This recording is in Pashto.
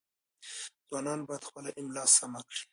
ځوانان باید خپله املاء سمه کړي.